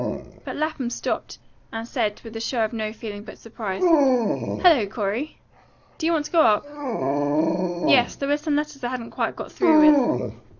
But Lapham stopped, and said, with the show of no feeling but surprise: "Hello, Corey! Did you want to go up?" "Yes; there were some letters I hadn't quite got through with."